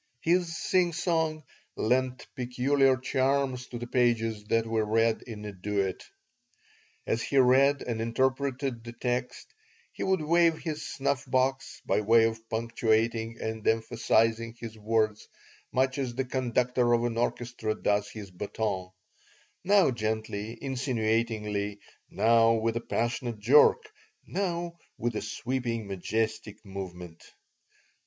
His singsong lent peculiar charm to the pages that we read in duet. As he read and interpreted the text he would wave his snuff box, by way of punctuating and emphasizing his words, much as the conductor of an orchestra does his baton, now gently, insinuatingly, now with a passionate jerk, now with a sweeping majestic movement.